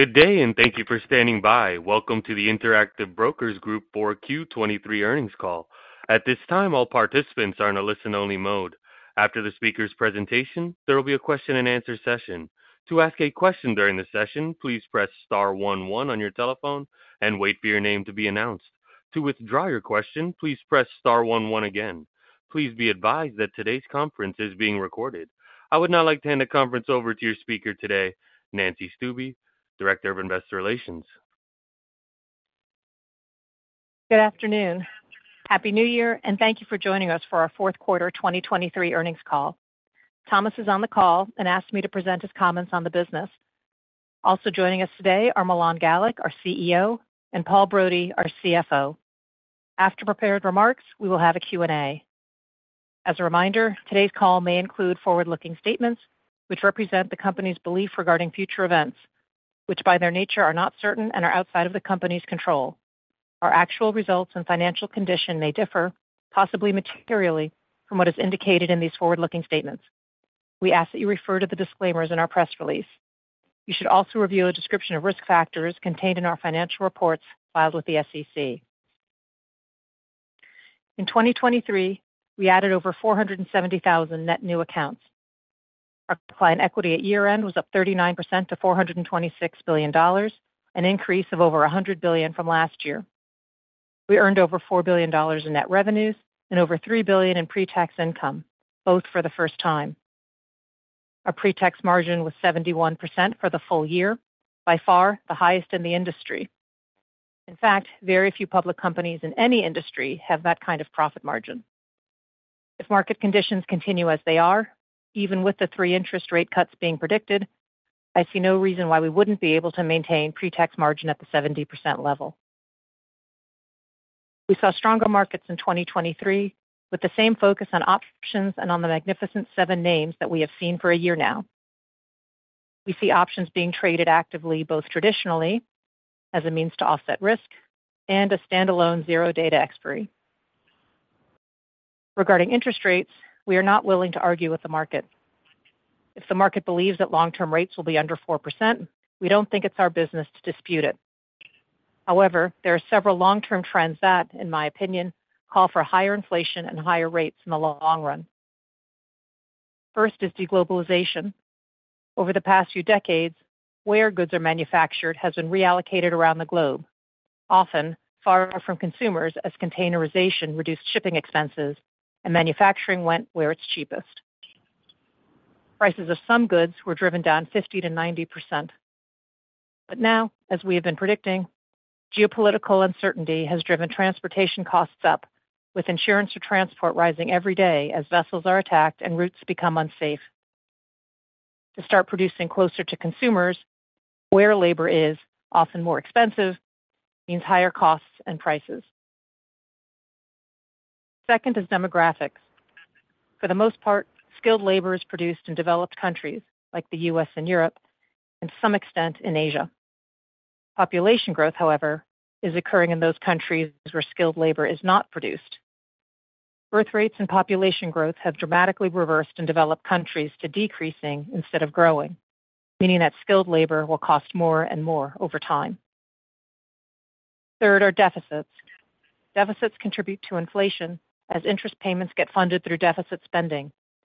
Good day, and thank you for standing by. Welcome to the Interactive Brokers Group for Q4 2023 Earnings Call. At this time, all participants are in a listen-only mode. After the speaker's presentation, there will be a question and answer session. To ask a question during the session, please press star one one on your telephone and wait for your name to be announced. To withdraw your question, please press star one one again. Please be advised that today's conference is being recorded. I would now like to hand the conference over to your speaker today, Nancy Stuebe, Director of Investor Relations. Good afternoon. Happy New Year, and thank you for joining us for our Fourth Quarter 2023 Earnings Call. Thomas is on the call and asked me to present his comments on the business. Also joining us today are Milan Galik, our CEO, and Paul Brody, our CFO. After prepared remarks, we will have a Q&A. As a reminder, today's call may include forward-looking statements, which represent the company's belief regarding future events, which, by their nature, are not certain and are outside of the company's control. Our actual results and financial condition may differ, possibly materially, from what is indicated in these forward-looking statements. We ask that you refer to the disclaimers in our press release. You should also review a description of risk factors contained in our financial reports filed with the SEC. In 2023, we added over 470,000 net new accounts. Our client equity at year-end was up 39% to $426 billion, an increase of over $100 billion from last year. We earned over $4 billion in net revenues and over $3 billion in pre-tax income, both for the first time. Our pre-tax margin was 71% for the full year, by far the highest in the industry. In fact, very few public companies in any industry have that kind of profit margin. If market conditions continue as they are, even with the three interest rate cuts being predicted, I see no reason why we wouldn't be able to maintain pre-tax margin at the 70% level. We saw stronger markets in 2023, with the same focus on options and on the Magnificent Seven names that we have seen for a year now. We see options being traded actively, both traditionally as a means to offset risk and a standalone zero-DTE expiry. Regarding interest rates, we are not willing to argue with the market. If the market believes that long-term rates will be under 4%, we don't think it's our business to dispute it. However, there are several long-term trends that, in my opinion, call for higher inflation and higher rates in the long run. First is de-globalization. Over the past few decades, where goods are manufactured has been reallocated around the globe, often far from consumers, as containerization reduced shipping expenses and manufacturing went where it's cheapest. Prices of some goods were driven down 50% to 90%. But now, as we have been predicting, geopolitical uncertainty has driven transportation costs up, with insurance or transport rising every day as vessels are attacked and routes become unsafe. To start producing closer to consumers, where labor is often more expensive, means higher costs and prices. Second is demographics. For the most part, skilled labor is produced in developed countries like the U.S. and Europe, and to some extent in Asia. Population growth, however, is occurring in those countries where skilled labor is not produced. Birth rates and population growth have dramatically reversed in developed countries to decreasing instead of growing, meaning that skilled labor will cost more and more over time. Third are deficits. Deficits contribute to inflation as interest payments get funded through deficit spending,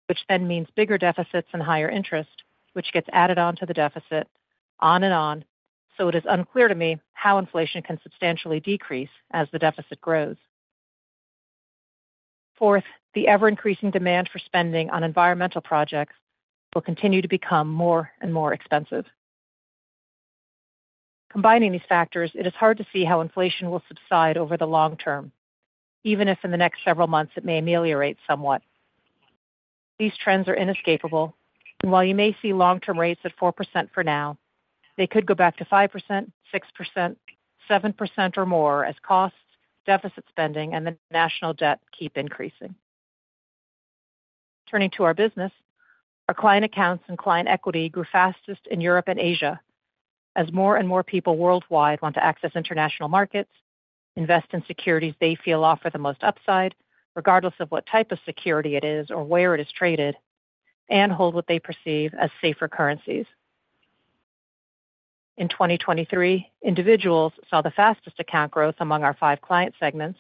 which then means bigger deficits and higher interest, which gets added on to the deficit, on and on, so it is unclear to me how inflation can substantially decrease as the deficit grows. Fourth, the ever-increasing demand for spending on environmental projects will continue to become more and more expensive. Combining these factors, it is hard to see how inflation will subside over the long term, even if in the next several months it may ameliorate somewhat. These trends are inescapable, and while you may see long-term rates at 4% for now, they could go back to 5%, 6%, 7% or more as costs, deficit spending, and the national debt keep increasing. Turning to our business, our client accounts and client equity grew fastest in Europe and Asia as more and more people worldwide want to access international markets, invest in securities they feel offer the most upside, regardless of what type of security it is or where it is traded, and hold what they perceive as safer currencies. In 2023, individuals saw the fastest account growth among our five client segments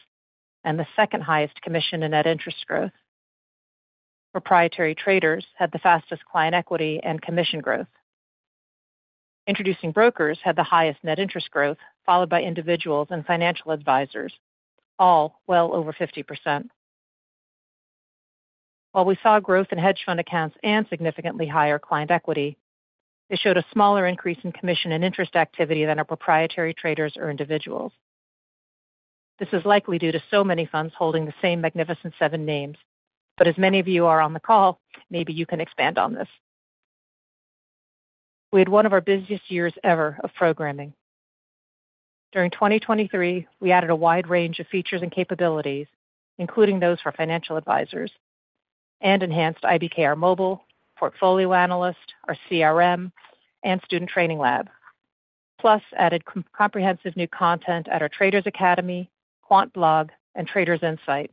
and the second highest commission and net interest growth. Proprietary traders had the fastest client equity and commission growth. Introducing brokers had the highest net interest growth, followed by individuals and financial advisors, all well over 50%. While we saw growth in hedge fund accounts and significantly higher client equity, they showed a smaller increase in commission and interest activity than our proprietary traders or individuals. This is likely due to so many funds holding the same Magnificent Seven names, but as many of you are on the call, maybe you can expand on this. We had one of our busiest years ever of programming. During 2023, we added a wide range of features and capabilities, including those for financial advisors and enhanced IBKR Mobile, PortfolioAnalyst, our CRM, and Student Trading Lab, plus added comprehensive new content at our Traders' Academy, Quant Blog, and Traders' Insight.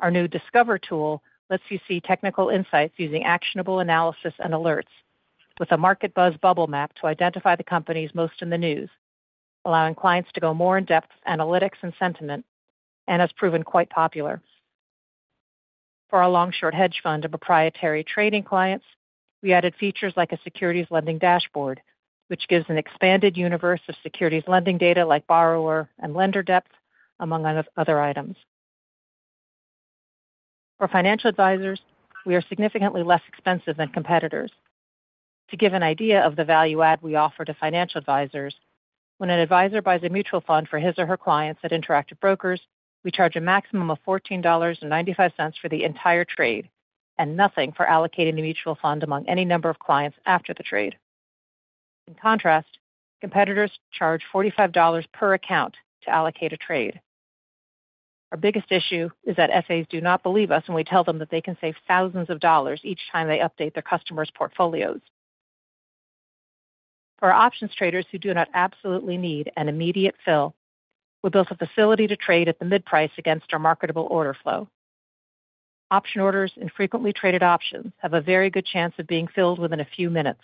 Our new Discover tool lets you see technical insights using actionable analysis and alerts, with a Market Buzz bubble map to identify the companies most in the news, allowing clients to go more in-depth analytics and sentiment, and has proven quite popular. For our long-short hedge fund and proprietary trading clients, we added features like a securities lending dashboard, which gives an expanded universe of securities lending data like borrower and lender depth, among other items. For financial advisors, we are significantly less expensive than competitors. To give an idea of the value add we offer to financial advisors, when an advisor buys a mutual fund for his or her clients at Interactive Brokers, we charge a maximum of $14.95 for the entire trade, and nothing for allocating the mutual fund among any number of clients after the trade. In contrast, competitors charge $45 per account to allocate a trade. Our biggest issue is that FAs do not believe us when we tell them that they can save thousands of dollars each time they update their customers' portfolios. For our options traders who do not absolutely need an immediate fill, we built a facility to trade at the mid-price against our marketable order flow. Option orders and frequently traded options have a very good chance of being filled within a few minutes.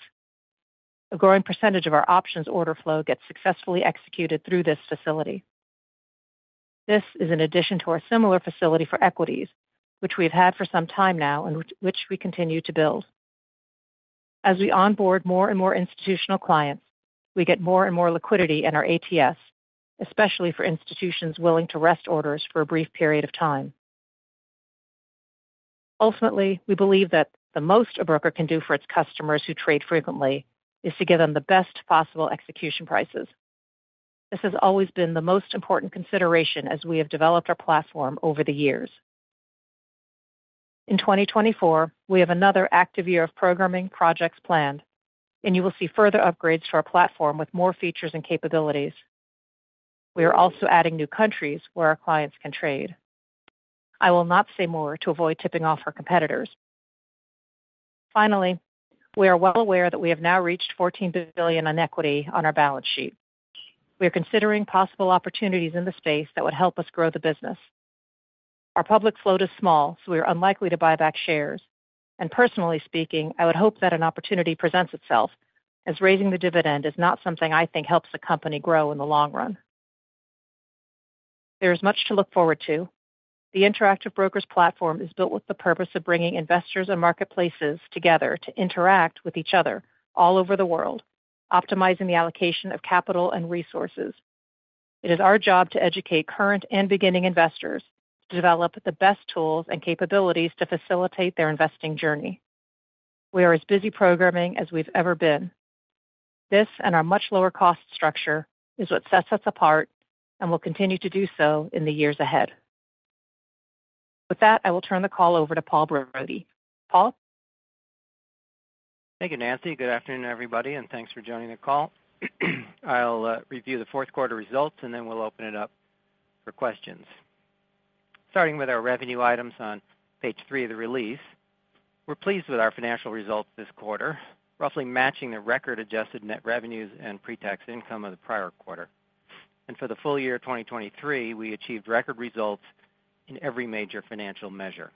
A growing percentage of our options order flow gets successfully executed through this facility. This is in addition to our similar facility for equities, which we've had for some time now and which we continue to build. As we onboard more and more institutional clients, we get more and more liquidity in our ATS, especially for institutions willing to rest orders for a brief period of time. Ultimately, we believe that the most a broker can do for its customers who trade frequently is to give them the best possible execution prices. This has always been the most important consideration as we have developed our platform over the years. In 2024, we have another active year of programming projects planned, and you will see further upgrades to our platform with more features and capabilities. We are also adding new countries where our clients can trade. I will not say more to avoid tipping off our competitors. Finally, we are well aware that we have now reached $14 billion in equity on our balance sheet. We are considering possible opportunities in the space that would help us grow the business. Our public float is small, so we are unlikely to buy back shares, and personally speaking, I would hope that an opportunity presents itself, as raising the dividend is not something I think helps the company grow in the long run. There is much to look forward to. The Interactive Brokers platform is built with the purpose of bringing investors and marketplaces together to interact with each other all over the world, optimizing the allocation of capital and resources. It is our job to educate current and beginning investors to develop the best tools and capabilities to facilitate their investing journey. We are as busy programming as we've ever been. This, and our much lower cost structure, is what sets us apart and will continue to do so in the years ahead. With that, I will turn the call over to Paul Brody. Paul? Thank you, Nancy. Good afternoon, everybody, and thanks for joining the call. I'll review the fourth quarter results, and then we'll open it up for questions. Starting with our revenue items on page three of the release, we're pleased with our financial results this quarter, roughly matching the record adjusted net revenues and pre-tax income of the prior quarter. For the full year 2023, we achieved record results in every major financial measure.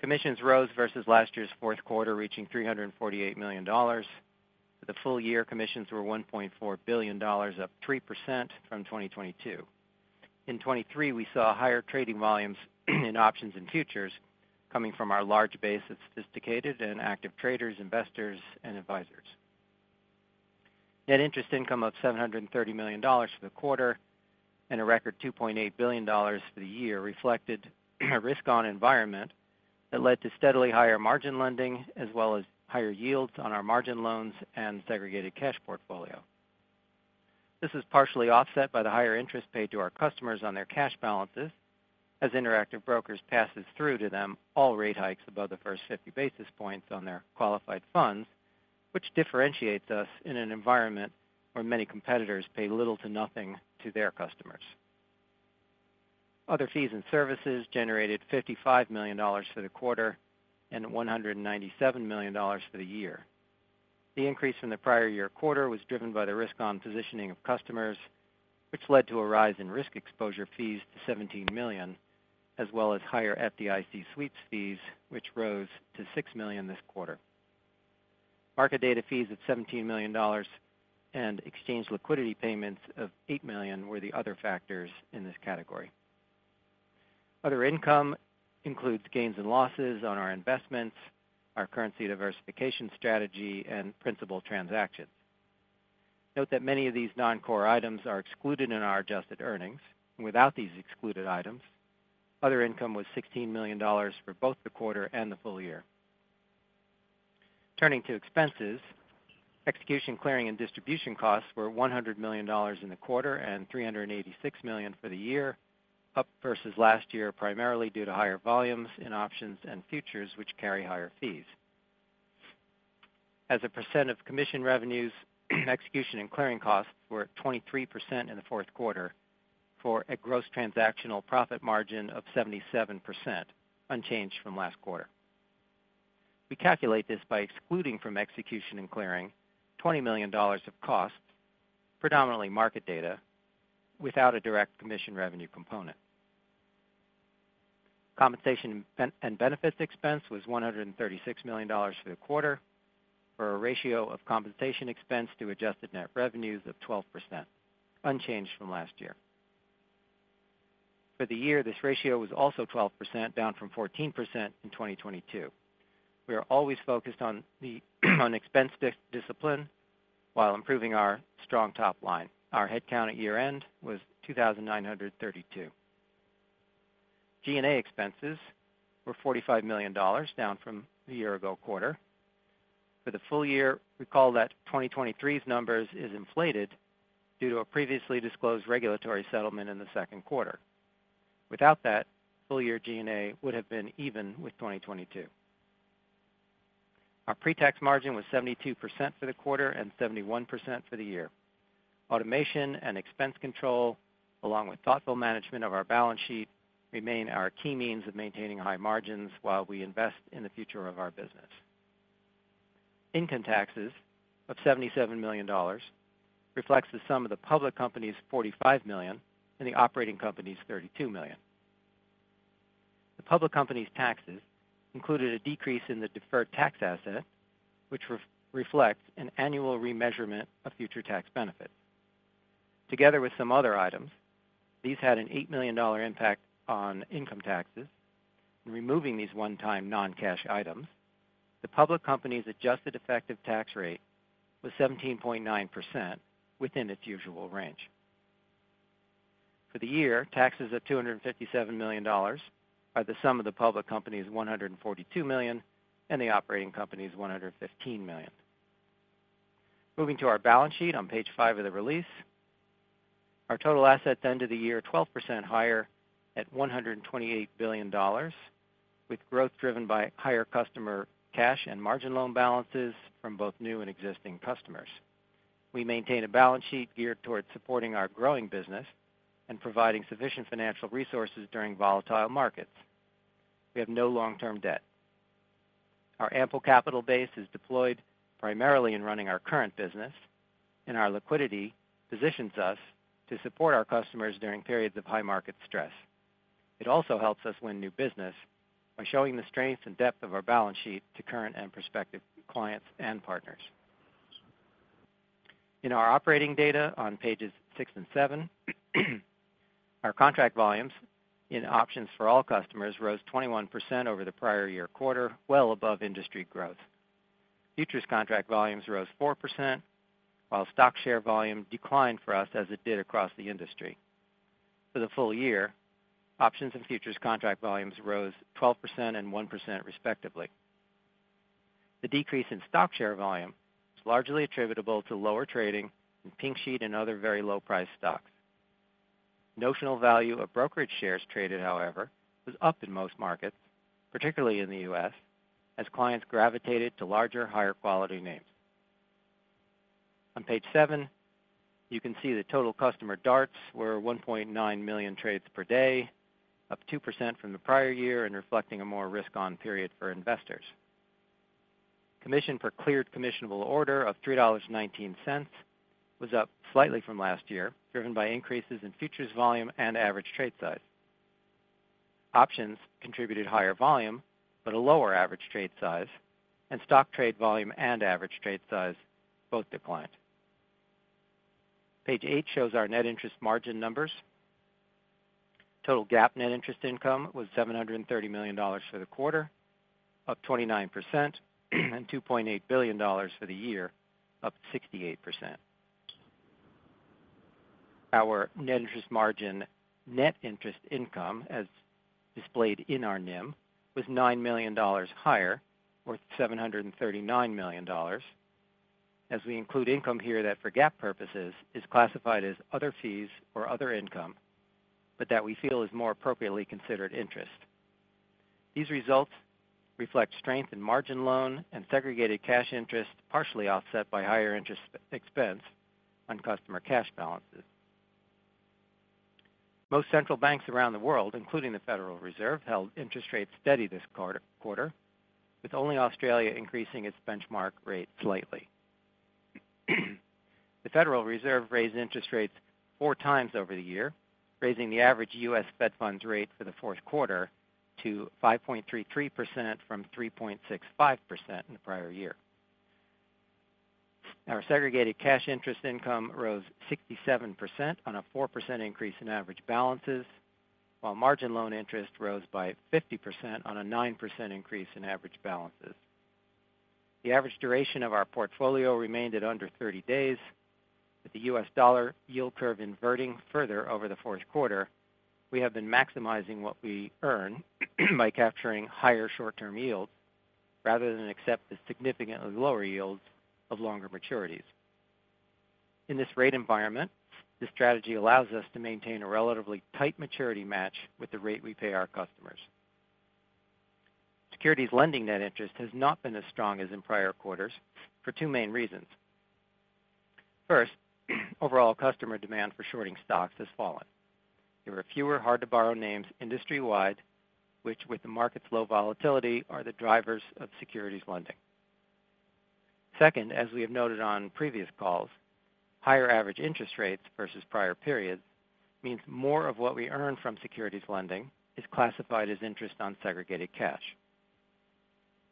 Commissions rose versus last year's fourth quarter, reaching $348 million. For the full year, commissions were $1.4 billion, up 3% from 2022. In 2023, we saw higher trading volumes in options and futures coming from our large base of sophisticated and active traders, investors, and advisors. Net interest income of $730 million for the quarter and a record $2.8 billion for the year reflected a risk-on environment that led to steadily higher margin lending, as well as higher yields on our margin loans and segregated cash portfolio. This is partially offset by the higher interest paid to our customers on their cash balances as Interactive Brokers passes through to them all rate hikes above the first 50 basis points on their qualified funds, which differentiates us in an environment where many competitors pay little to nothing to their customers. Other fees and services generated $55 million for the quarter and $197 million for the year. The increase from the prior year quarter was driven by the risk-on positioning of customers, which led to a rise in risk exposure fees to $17 million, as well as higher FDIC sweeps fees, which rose to $6 million this quarter. Market data fees of $17 million and exchange liquidity payments of $8 million were the other factors in this category. Other income includes gains and losses on our investments, our currency diversification strategy, and principal transactions. Note that many of these non-core items are excluded in our adjusted earnings. Without these excluded items, other income was $16 million for both the quarter and the full year. Turning to expenses, execution, clearing, and distribution costs were $100 million in the quarter and $386 million for the year, up versus last year, primarily due to higher volumes in options and futures, which carry higher fees. As a percent of commission revenues, execution and clearing costs were at 23% in the fourth quarter for a gross transactional profit margin of 77%, unchanged from last quarter.. We calculate this by excluding from execution and clearing $20 million of costs, predominantly market data, without a direct commission revenue component. Compensation and benefits expense was $136 million for the quarter, for a ratio of compensation expense to adjusted net revenues of 12%, unchanged from last year. For the year, this ratio was also 12%, down from 14% in 2022. We are always focused on expense discipline while improving our strong top line. Our headcount at year-end was 2,932. G&A expenses were $45 million, down from the year ago quarter. For the full year, recall that 2023's numbers is inflated due to a previously disclosed regulatory settlement in the second quarter. Without that, full year G&A would have been even with 2022. Our pre-tax margin was 72% for the quarter and 71% for the year. Automation and expense control, along with thoughtful management of our balance sheet, remain our key means of maintaining high margins while we invest in the future of our business. Income taxes of $77 million reflects the sum of the public company's $45 million and the operating company's $32 million. The public company's taxes included a decrease in the Deferred Tax Asset, which reflects an annual remeasurement of future tax benefits. Together with some other items, these had an $8 million impact on income taxes, and removing these one-time non-cash items, the public company's adjusted effective tax rate was 17.9%, within its usual range. For the year, taxes of $257 million are the sum of the public company's $142 million and the operating company's $115 million. Moving to our balance sheet on page five of the release, our total assets end of the year, 12% higher at $128 billion, with growth driven by higher customer cash and margin loan balances from both new and existing customers. We maintain a balance sheet geared towards supporting our growing business and providing sufficient financial resources during volatile markets. We have no long-term debt. Our ample capital base is deployed primarily in running our current business, and our liquidity positions us to support our customers during periods of high market stress. It also helps us win new business by showing the strengths and depth of our balance sheet to current and prospective clients and partners. In our operating data on pages six and seven, our contract volumes in options for all customers rose 21% over the prior year quarter, well above industry growth. Futures contract volumes rose 4%, while stock share volume declined for us as it did across the industry. For the full year, options and futures contract volumes rose 12% and 1%, respectively. The decrease in stock share volume is largely attributable to lower trading in Pink Sheet and other very low-priced stocks. Notional value of brokerage shares traded, however, was up in most markets, particularly in the U.S., as clients gravitated to larger, higher quality names. On page seven, you can see the total customer DARTs were 1.9 million trades per day, up 2% from the prior year and reflecting a more risk-on period for investors. Commission per cleared commissionable order of $3.19 was up slightly from last year, driven by increases in futures volume and average trade size. Options contributed higher volume, but a lower average trade size, and stock trade volume and average trade size both declined. Page eight shows our net interest margin numbers. Total GAAP net interest income was $730 million for the quarter, up 29%, and $2.8 billion for the year, up 68%. Our net interest margin, net interest income, as displayed in our NIM, was $9 million higher, or $739 million, as we include income here that, for GAAP purposes, is classified as other fees or other income, but that we feel is more appropriately considered interest. These results reflect strength in margin loan and segregated cash interest, partially offset by higher interest expense on customer cash balances. Most central banks around the world, including the Federal Reserve, held interest rates steady this quarter, with only Australia increasing its benchmark rate slightly. The Federal Reserve raised interest rates four times over the year, raising the average U.S. Fed funds rate for the fourth quarter to 5.33% from 3.65% in the prior year. Our segregated cash interest income rose 67% on a 4% increase in average balances, while margin loan interest rose by 50% on a 9% increase in average balances. The average duration of our portfolio remained at under 30 days. With the U.S. dollar yield curve inverting further over the fourth quarter, we have been maximizing what we earn by capturing higher short-term yields, rather than accept the significantly lower yields of longer maturities. In this rate environment, this strategy allows us to maintain a relatively tight maturity match with the rate we pay our customers. Securities lending net interest has not been as strong as in prior quarters for two main reasons. First, overall customer demand for shorting stocks has fallen. There are fewer hard-to-borrow names industry-wide, which, with the market's low volatility, are the drivers of securities lending. Second, as we have noted on previous calls, higher average interest rates versus prior periods means more of what we earn from securities lending is classified as interest on segregated cash.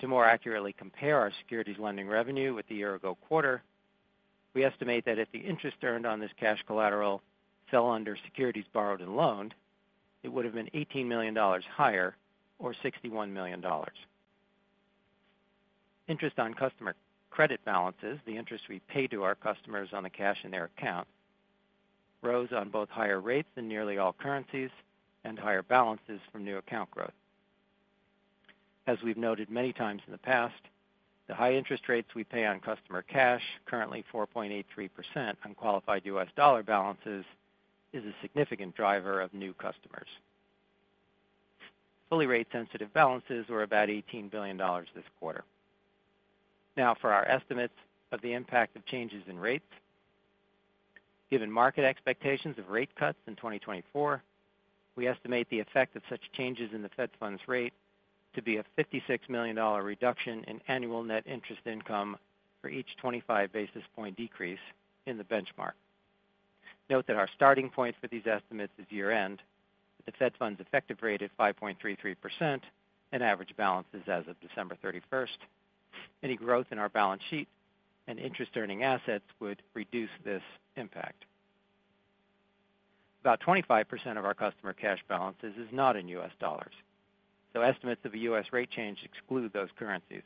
To more accurately compare our securities lending revenue with the year ago quarter, we estimate that if the interest earned on this cash collateral fell under securities borrowed and loaned, it would have been $18 million higher, or $61 million. Interest on customer credit balances, the interest we pay to our customers on the cash in their account, rose on both higher rates in nearly all currencies and higher balances from new account growth. As we've noted many times in the past, the high interest rates we pay on customer cash, currently 4.83% on qualified U.S. dollar balances, is a significant driver of new customers. Fully rate-sensitive balances were about $18 billion this quarter. Now, for our estimates of the impact of changes in rates. Given market expectations of rate cuts in 2024, we estimate the effect of such changes in the Fed funds rate to be a $56 million reduction in annual net interest income for each 25 basis point decrease in the benchmark. Note that our starting point for these estimates is year-end, the Fed funds effective rate at 5.33% and average balances as of December 31st. Any growth in our balance sheet and interest-earning assets would reduce this impact. About 25% of our customer cash balances is not in U.S. dollars, so estimates of a U.S. rate change exclude those currencies.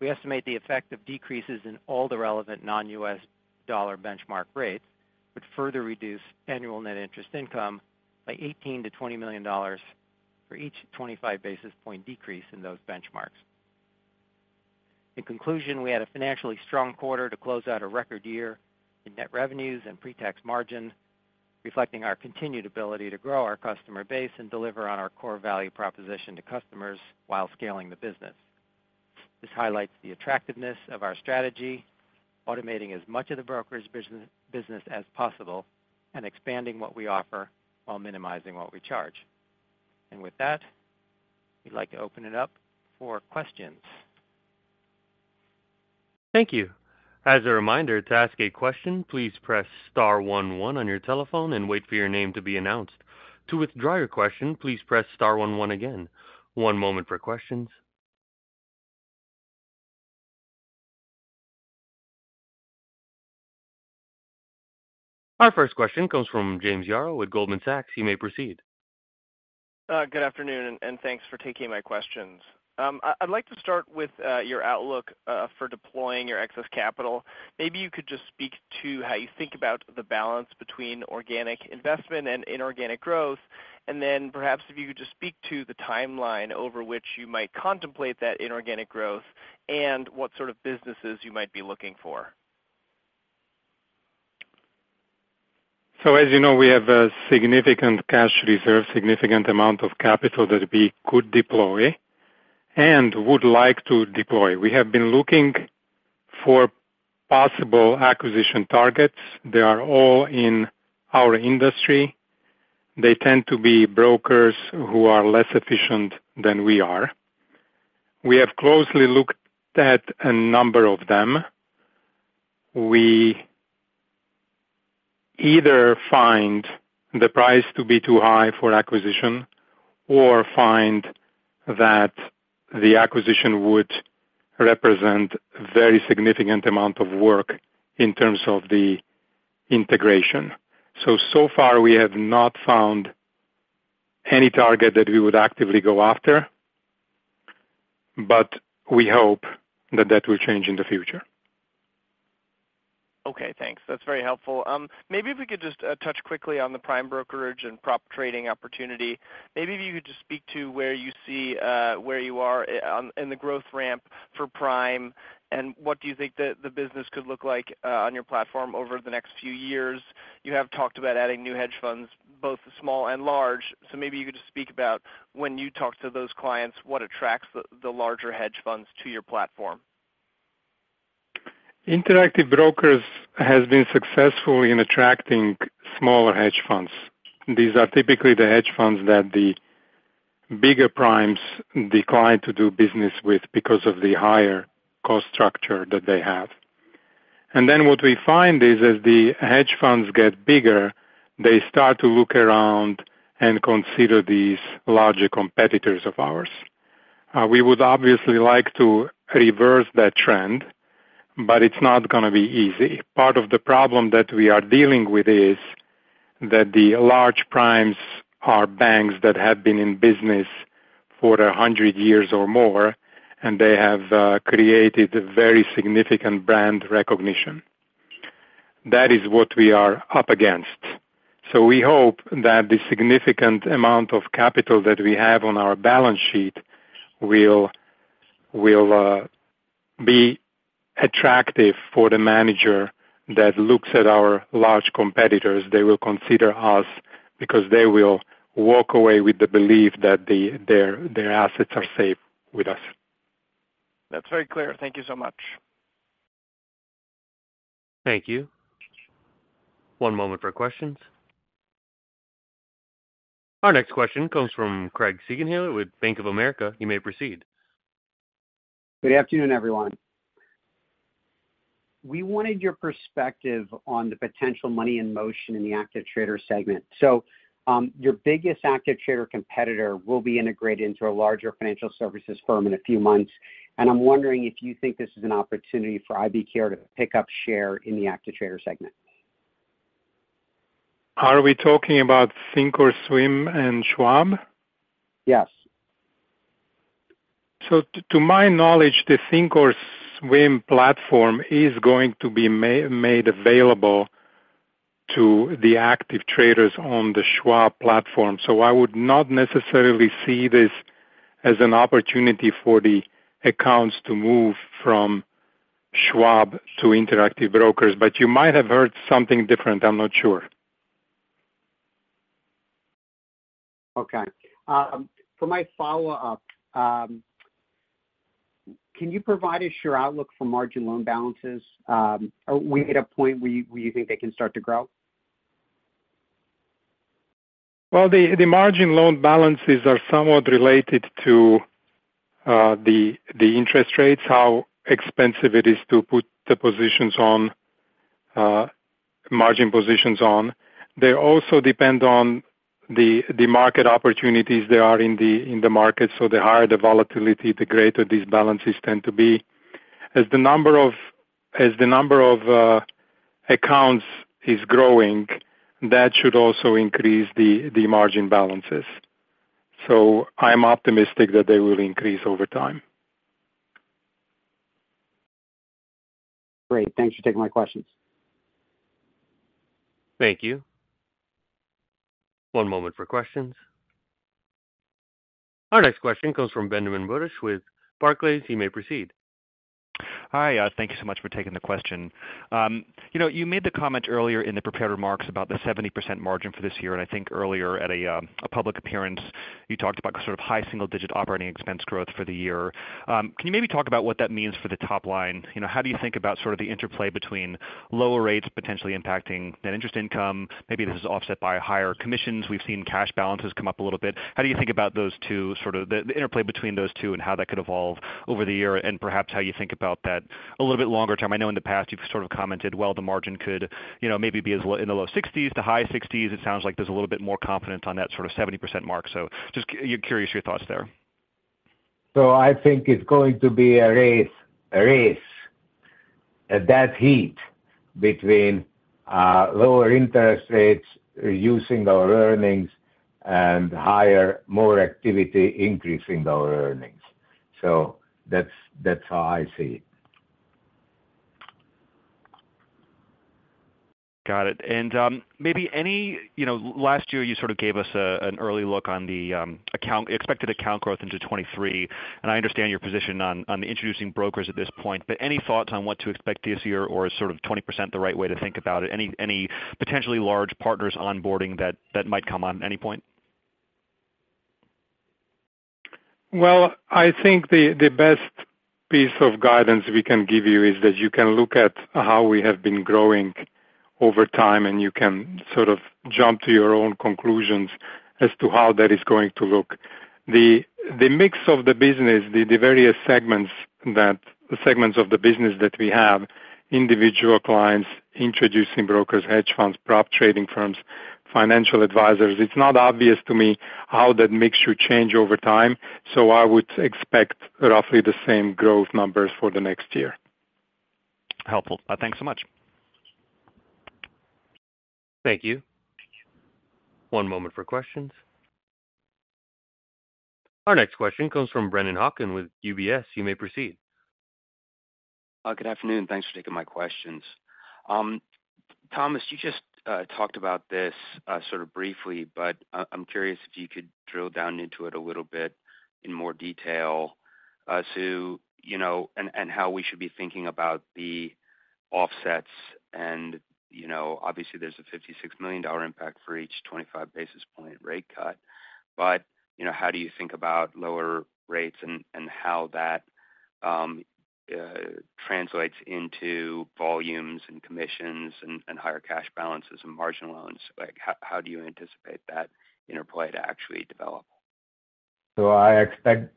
We estimate the effect of decreases in all the relevant non-U.S. dollar benchmark rates, which further reduce annual net interest income by $18 million to $20 million for each 25 basis point decrease in those benchmarks. In conclusion, we had a financially strong quarter to close out a record year in net revenues and pre-tax margin, reflecting our continued ability to grow our customer base and deliver on our core value proposition to customers while scaling the business. This highlights the attractiveness of our strategy, automating as much of the brokerage business as possible and expanding what we offer while minimizing what we charge. And with that, we'd like to open it up for questions. Thank you. As a reminder, to ask a question, please press star one one on your telephone and wait for your name to be announced. To withdraw your question, please press star one one again. One moment for questions. Our first question comes from James Yaro with Goldman Sachs. He may proceed. Good afternoon, and thanks for taking my questions. I'd like to start with your outlook for deploying your excess capital. Maybe you could just speak to how you think about the balance between organic investment and inorganic growth, and then perhaps if you could just speak to the timeline over which you might contemplate that inorganic growth and what sort of businesses you might be looking for. So, as you know, we have a significant cash reserve, significant amount of capital that we could deploy and would like to deploy. We have been looking for possible acquisition targets. They are all in our industry. They tend to be brokers who are less efficient than we are. We have closely looked at a number of them. We either find the price to be too high for acquisition or find that the acquisition would represent a very significant amount of work in terms of the integration. So, so far, we have not found any target that we would actively go after, but we hope that that will change in the future. Okay, thanks. That's very helpful. Maybe if we could just touch quickly on the prime brokerage and prop trading opportunity. Maybe if you could just speak to where you see where you are in the growth ramp for Prime, and what do you think the business could look like on your platform over the next few years? You have talked about adding new hedge funds, both small and large, so maybe you could just speak about, when you talk to those clients, what attracts the larger hedge funds to your platform? Interactive Brokers has been successful in attracting smaller hedge funds. These are typically the hedge funds that the bigger primes decline to do business with because of the higher cost structure that they have. Then what we find is, as the hedge funds get bigger, they start to look around and consider these larger competitors of ours. We would obviously like to reverse that trend, but it's not gonna be easy. Part of the problem that we are dealing with is that the large primes are banks that have been in business for 100 years or more, and they have created a very significant brand recognition. That is what we are up against. So we hope that the significant amount of capital that we have on our balance sheet will be attractive for the manager that looks at our large competitors. They will consider us because they will walk away with the belief that their assets are safe with us. That's very clear. Thank you so much. Thank you. One moment for questions. Our next question comes from Craig Siegenthaler with Bank of America. You may proceed. Good afternoon, everyone. We wanted your perspective on the potential money in motion in the active trader segment. So, your biggest active trader competitor will be integrated into a larger financial services firm in a few months, and I'm wondering if you think this is an opportunity for IBKR to pick up share in the active trader segment. Are we talking about thinkorswim and Schwab? Yes. To my knowledge, the thinkorswim platform is going to be made available to the active traders on the Schwab platform. I would not necessarily see this as an opportunity for the accounts to move from Schwab to Interactive Brokers, but you might have heard something different. I'm not sure. Okay. For my follow-up, can you provide us your outlook for margin loan balances? Are we at a point where you think they can start to grow? Well, the margin loan balances are somewhat related to the interest rates, how expensive it is to put the positions on margin positions on. They also depend on the market opportunities there are in the market. So the higher the volatility, the greater these balances tend to be. As the number of accounts is growing, that should also increase the margin balances. So I'm optimistic that they will increase over time. Great. Thanks for taking my questions. Thank you. One moment for questions. Our next question comes from Benjamin Budish with Barclays. He may proceed. Hi. Thank you so much for taking the question. You know, you made the comment earlier in the prepared remarks about the 70% margin for this year, and I think earlier at a, a public appearance, you talked about sort of high single-digit operating expense growth for the year. Can you maybe talk about what that means for the top line? You know, how do you think about sort of the interplay between lower rates potentially impacting net interest income? Maybe this is offset by higher commissions. We've seen cash balances come up a little bit. How do you think about those two, sort of, the interplay between those two and how that could evolve over the year, and perhaps how you think about that a little bit longer term? I know in the past you've sort of commented, well, the margin could, you know, maybe be as low as in the low 60s to high 60s. It sounds like there's a little bit more confidence on that sort of 70% mark. So just curious your thoughts there. So I think it's going to be a race, a race, a dead heat between lower interest rates, reducing our earnings and higher, more activity, increasing our earnings. So that's, that's how I see it. Got it. And maybe, you know, last year, you sort of gave us a, an early look on the, account expected account growth into 2023, and I understand your position on introducing brokers at this point, but any thoughts on what to expect this year or is sort of 20% the right way to think about it? Any potentially large partners onboarding that might come on at any point? Well, I think the best piece of guidance we can give you is that you can look at how we have been growing over time, and you can sort of jump to your own conclusions as to how that is going to look. The mix of the business, the various segments of the business that we have, individual clients, introducing brokers, hedge funds, prop trading firms, financial advisors, it's not obvious to me how that mixture change over time, so I would expect roughly the same growth numbers for the next year. Helpful. Thanks so much. Thank you. One moment for questions. Our next question comes from Brennan Hawken with UBS. You may proceed. Good afternoon. Thanks for taking my questions. Thomas, you just talked about this sort of briefly, but I'm curious if you could drill down into it a little bit in more detail, as to, you know, and, and how we should be thinking about the offsets and, you know, obviously there's a $56 million impact for each 25 basis point rate cut. But, you know, how do you think about lower rates and, and how that translates into volumes and commissions and, and higher cash balances and margin loans? Like, how, how do you anticipate that interplay to actually develop? So I expect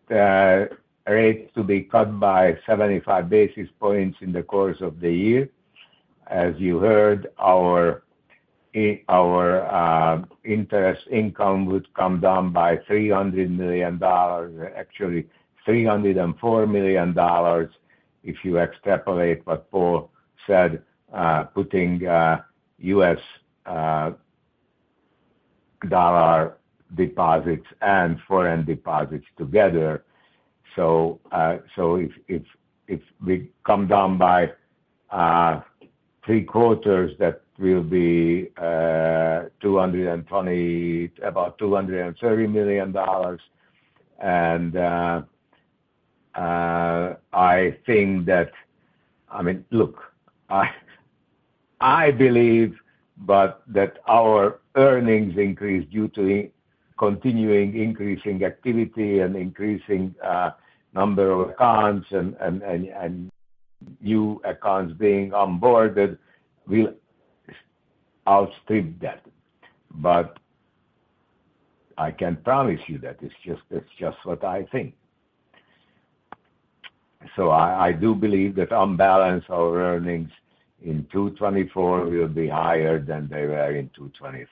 rates to be cut by 75 basis points in the course of the year. As you heard, our interest income would come down by $300 million. Actually, $304 million, if you extrapolate what Paul said, putting U.S. dollar deposits and foreign deposits together. So if we come down by three quarters, that will be 220, about $230 million. And I think that, I mean, look, I believe, but that our earnings increase due to continuing increasing activity and increasing number of accounts and new accounts being on board, that will outstrip that. But I can't promise you that. It's just, it's just what I think. So I do believe that on balance, our earnings in 2024 will be higher than they were in 2023.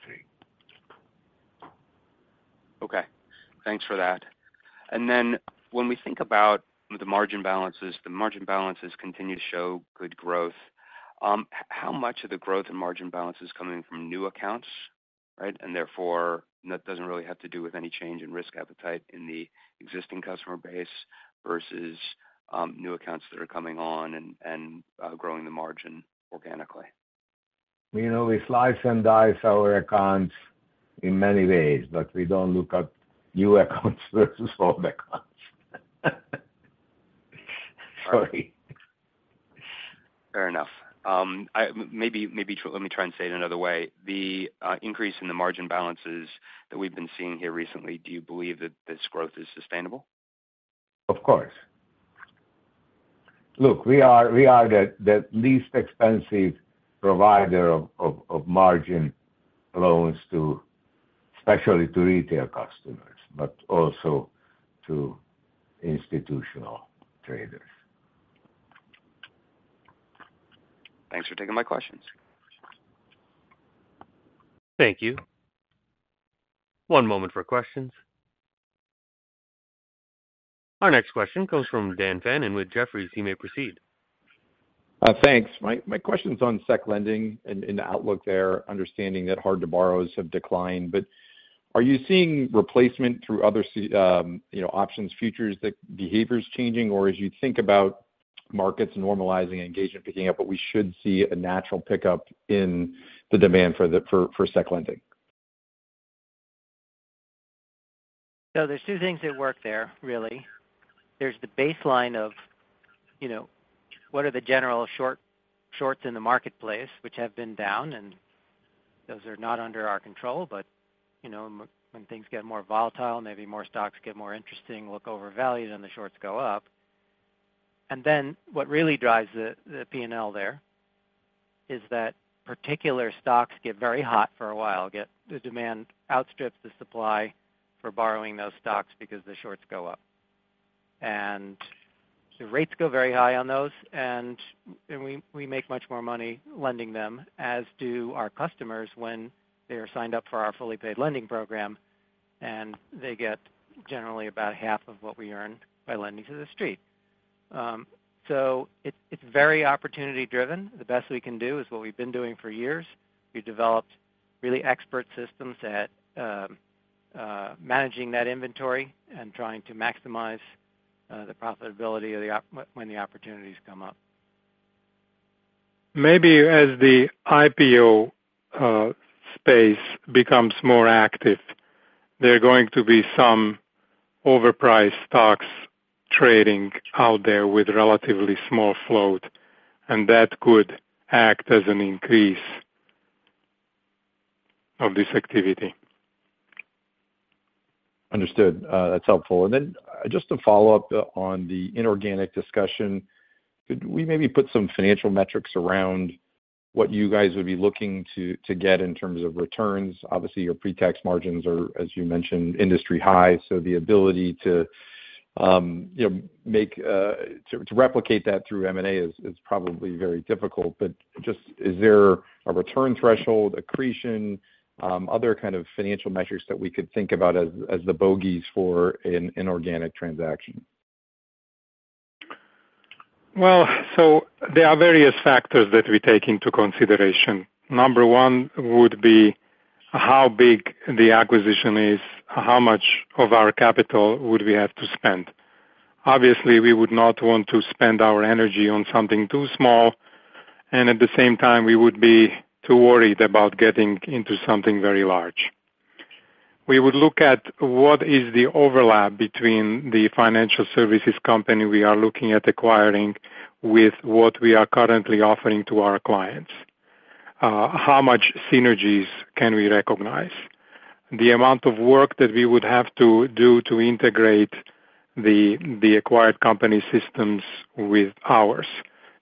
Okay, thanks for that. And then when we think about the margin balances, the margin balances continue to show good growth. How much of the growth and margin balance is coming from new accounts, right? And therefore, that doesn't really have to do with any change in risk appetite in the existing customer base versus new accounts that are coming on and growing the margin organically. You know, we slice and dice our accounts in many ways, but we don't look at new accounts versus old accounts. Sorry. Fair enough. I maybe let me try and say it another way. The increase in the margin balances that we've been seeing here recently, do you believe that this growth is sustainable? Of course. Look, we are the least expensive provider of margin loans, especially to retail customers, but also to institutional traders. Thanks for taking my questions. Thank you. One moment for questions. Our next question comes from Dan Fannon with Jefferies. He may proceed. Thanks. My question's on securities lending and the outlook there, understanding that hard-to-borrows have declined. But are you seeing replacement through other, you know, options, futures, that behavior's changing? Or as you think about markets normalizing and engagement picking up, but we should see a natural pickup in the demand for the securities lending. So there's two things at work there, really. There's the baseline of, you know, what are the general short, shorts in the marketplace, which have been down, and those are not under our control. But, you know, when things get more volatile, maybe more stocks get more interesting, look overvalued, and the shorts go up. And then what really drives the PNL there is that particular stocks get very hot for a while, get the demand outstrips the supply for borrowing those stocks because the shorts go up. And the rates go very high on those, and we make much more money lending them, as do our customers when they are signed up for our Fully Paid Lending Program, and they get generally about half of what we earn by lending to the street. So it's very opportunity driven. The best we can do is what we've been doing for years. We've developed really expert systems at managing that inventory and trying to maximize the profitability of the opportunities when the opportunities come up. Maybe as the IPO space becomes more active, there are going to be some overpriced stocks trading out there with relatively small float, and that could act as an increase of this activity. Understood. That's helpful. And then just to follow up on the inorganic discussion, could we maybe put some financial metrics around what you guys would be looking to get in terms of returns? Obviously, your pre-tax margins are, as you mentioned, industry high, so the ability to, you know, make, to replicate that through M&A is probably very difficult. But just is there a return threshold, accretion, other kind of financial metrics that we could think about as the bogeys for an inorganic transaction? Well, so there are various factors that we take into consideration. Number one would be how big the acquisition is, how much of our capital would we have to spend? Obviously, we would not want to spend our energy on something too small, and at the same time, we would be too worried about getting into something very large. We would look at what is the overlap between the financial services company we are looking at acquiring with what we are currently offering to our clients? How much synergies can we recognize? The amount of work that we would have to do to integrate the acquired company systems with ours.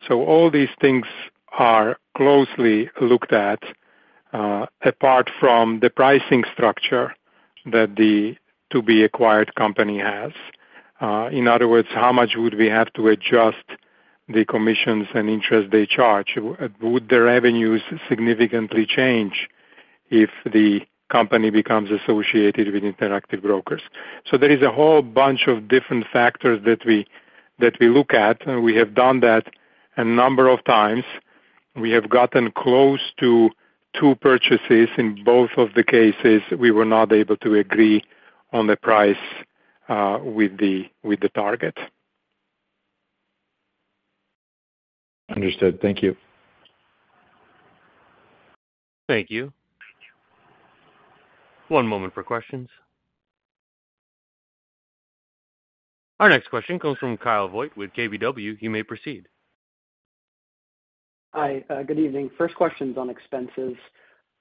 So all these things are closely looked at, apart from the pricing structure that the to-be-acquired company has. In other words, how much would we have to adjust the commissions and interest they charge? Would the revenues significantly change if the company becomes associated with Interactive Brokers? So there is a whole bunch of different factors that we look at, and we have done that a number of times. We have gotten close to two purchases. In both of the cases, we were not able to agree on the price with the target. Understood. Thank you. Thank you. One moment for questions. Our next question comes from Kyle Voigt with KBW. You may proceed. Hi, good evening. First question is on expenses.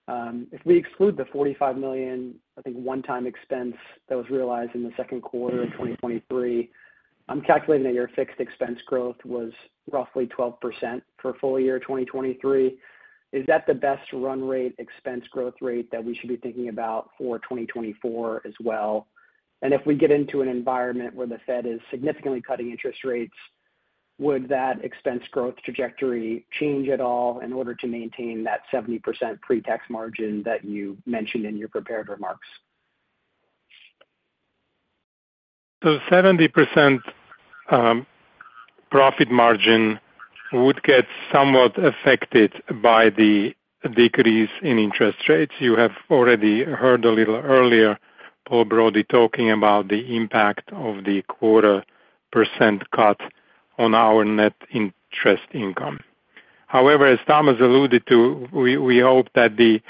If we exclude the $45 million, I think one-time expense that was realized in the second quarter of 2023, I'm calculating that your fixed expense growth was roughly 12% for full year 2023. Is that the best run rate expense growth rate that we should be thinking about for 2024 as well? And if we get into an environment where the Fed is significantly cutting interest rates, would that expense growth trajectory change at all in order to maintain that 70% pretax margin that you mentioned in your prepared remarks? So 70% profit margin would get somewhat affected by the decrease in interest rates. You have already heard a little earlier, Paul Brody talking about the impact of the 0.25% cut on our net interest income. However, as Thomas alluded to, we hope that the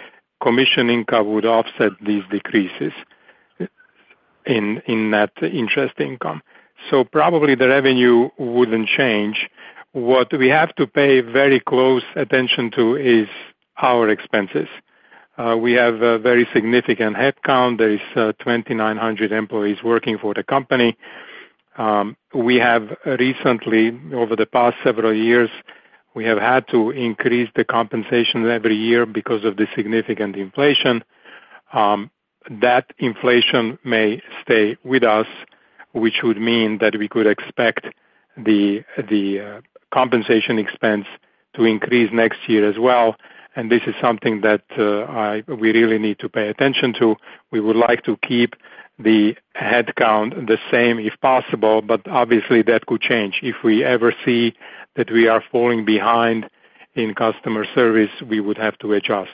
commission income would offset these decreases in that interest income. So probably the revenue wouldn't change. What we have to pay very close attention to is our expenses. We have a very significant headcount. There is 2,900 employees working for the company. We have recently, over the past several years, we have had to increase the compensation every year because of the significant inflation. That inflation may stay with us, which would mean that we could expect the compensation expense to increase next year as well. This is something that we really need to pay attention to. We would like to keep the headcount the same if possible, but obviously that could change. If we ever see that we are falling behind in customer service, we would have to adjust.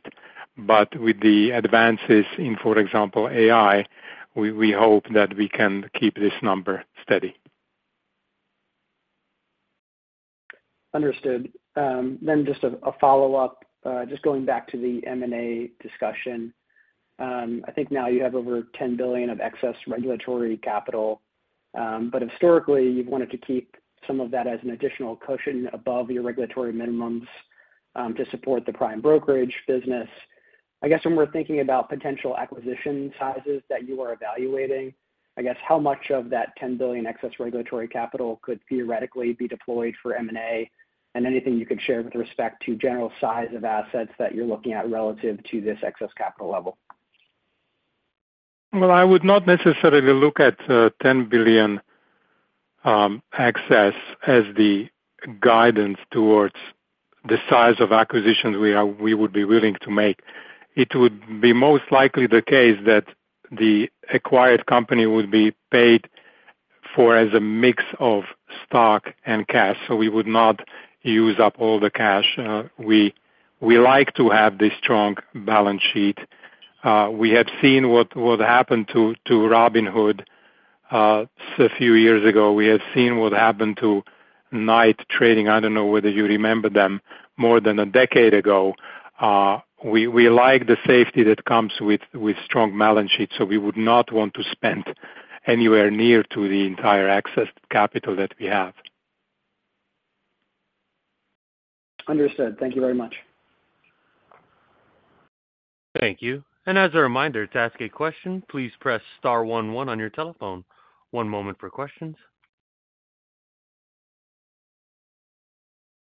But with the advances in, for example, AI, we hope that we can keep this number steady. Understood. Then just a follow-up, just going back to the M&A discussion. I think now you have over $10 billion of excess regulatory capital, but historically, you've wanted to keep some of that as an additional cushion above your regulatory minimums, to support the prime brokerage business. I guess when we're thinking about potential acquisition sizes that you are evaluating, I guess how much of that $10 billion excess regulatory capital could theoretically be deployed for M&A? And anything you could share with respect to general size of assets that you're looking at relative to this excess capital level. Well, I would not necessarily look at $10 billion excess as the guidance towards the size of acquisitions we would be willing to make. It would be most likely the case that the acquired company would be paid for as a mix of stock and cash, so we would not use up all the cash. We like to have the strong balance sheet. We have seen what happened to Robinhood a few years ago. We have seen what happened to Knight Trading. I don't know whether you remember them more than a decade ago. We like the safety that comes with strong balance sheets, so we would not want to spend anywhere near to the entire excess capital that we have. Understood. Thank you very much. Thank you. As a reminder, to ask a question, please press star one one on your telephone. One moment for questions.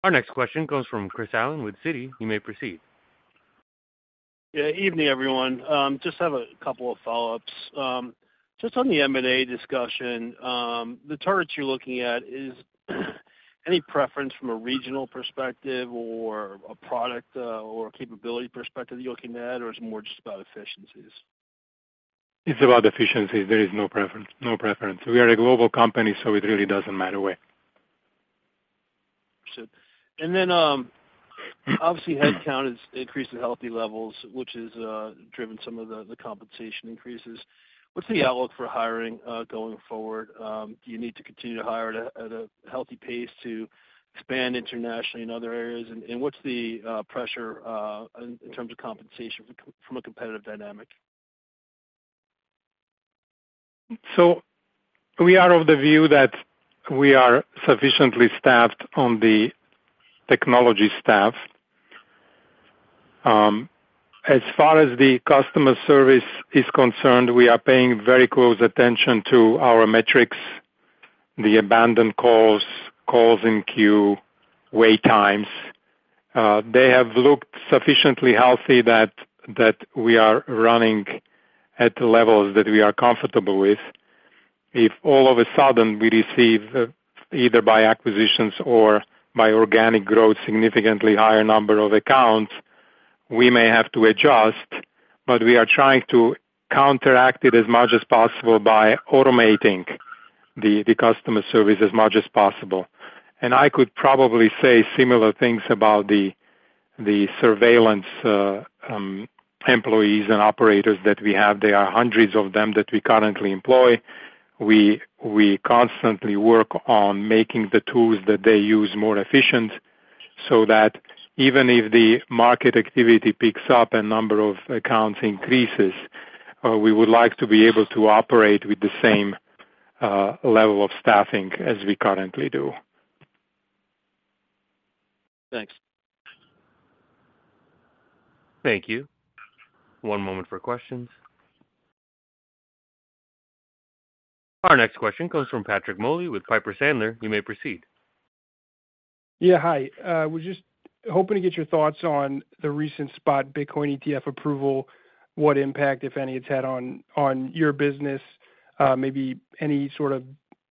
Our next question comes from Chris Allen with Citi. You may proceed. Yeah, evening, everyone. Just have a couple of follow-ups. Just on the M&A discussion, the targets you're looking at, is any preference from a regional perspective or a product, or capability perspective you're looking at, or it's more just about efficiencies? It's about efficiencies. There is no preference, no preference. We are a global company, so it really doesn't matter where. And then, obviously, headcount is increased to healthy levels, which has driven some of the compensation increases. What's the outlook for hiring going forward? Do you need to continue to hire at a healthy pace to expand internationally in other areas? And what's the pressure in terms of compensation from a competitive dynamic? So we are of the view that we are sufficiently staffed on the technology staff. As far as the customer service is concerned, we are paying very close attention to our metrics, the abandoned calls, calls in queue, wait times. They have looked sufficiently healthy that we are running at levels that we are comfortable with. If all of a sudden we receive, either by acquisitions or by organic growth, significantly higher number of accounts, we may have to adjust, but we are trying to counteract it as much as possible by automating the customer service as much as possible. And I could probably say similar things about the surveillance employees and operators that we have. There are hundreds of them that we currently employ. We constantly work on making the tools that they use more efficient. So that even if the market activity picks up and number of accounts increases, we would like to be able to operate with the same, level of staffing as we currently do. Thanks. Thank you. One moment for questions. Our next question comes from Patrick Moley with Piper Sandler. You may proceed. Yeah, hi. Was just hoping to get your thoughts on the recent spot Bitcoin ETF approval, what impact, if any, it's had on your business, maybe any sort of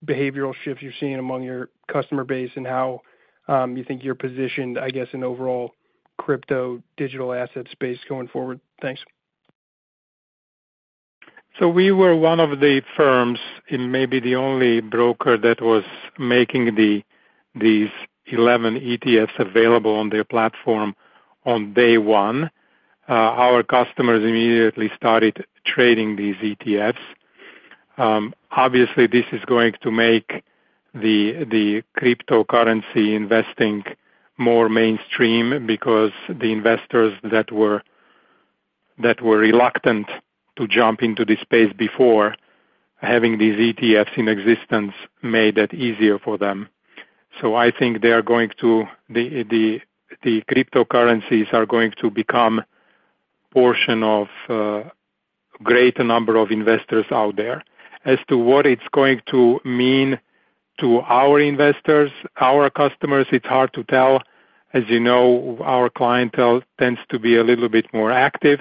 behavioral shifts you're seeing among your customer base, and how you think you're positioned, I guess, in overall crypto digital asset space going forward? Thanks. So we were one of the firms, and maybe the only broker that was making these 11 ETFs available on their platform on day one. Our customers immediately started trading these ETFs. Obviously, this is going to make the cryptocurrency investing more mainstream because the investors that were reluctant to jump into this space before, having these ETFs in existence made it easier for them. So I think they are going to the cryptocurrencies are going to become portion of a greater number of investors out there. As to what it's going to mean to our investors, our customers, it's hard to tell. As you know, our clientele tends to be a little bit more active,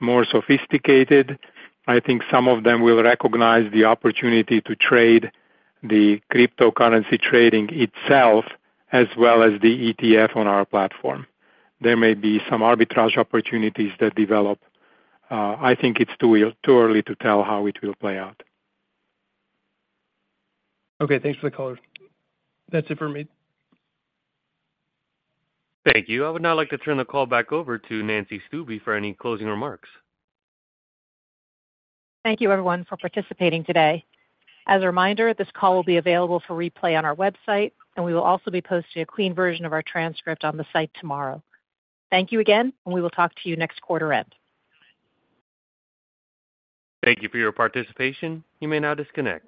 more sophisticated. I think some of them will recognize the opportunity to trade the cryptocurrency trading itself, as well as the ETF on our platform. There may be some arbitrage opportunities that develop. I think it's too early to tell how it will play out. Okay, thanks for the color. That's it for me. Thank you. I would now like to turn the call back over to Nancy Stuebe for any closing remarks. Thank you, everyone, for participating today. As a reminder, this call will be available for replay on our website, and we will also be posting a clean version of our transcript on the site tomorrow. Thank you again, and we will talk to you next quarter end. Thank you for your participation. You may now disconnect.